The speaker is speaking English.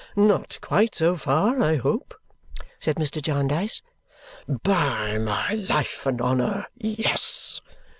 "Not quite so far, I hope?" said Mr. Jarndyce. "By my life and honour, yes!"